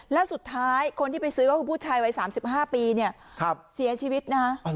แล้วสุดท้ายคนที่ไปซื้อก็คือผู้ชายวัย๓๕ปีเนี่ยเสียชีวิตนะฮะ